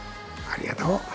ありがとう。